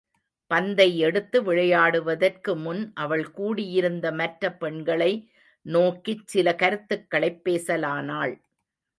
பந்தை எடுத்து விளையாடுவதற்கு முன், அவள் கூடியிருந்த மற்ற பெண்களை நோக்கிச் சில கருத்துக்களைப் பேசலானாள்.